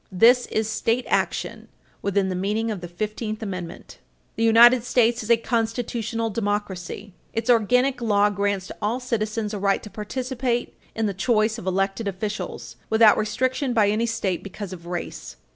This is state action within the meaning of the Fifteenth Amendment. Guinn v. United States, 238 U. S. 347, 238 U. S. 362. The United States is a constitutional democracy. Its organic law grants to all citizens a right to participate in the choice of elected officials without restriction by any state because of race.